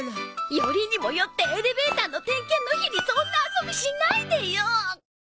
よりにもよってエレベーターの点検の日にそんな遊びしないでよ！